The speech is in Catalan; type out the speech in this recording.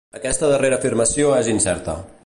Aquesta darrera afirmació és incerta.